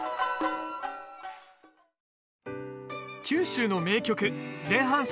九州の名曲前半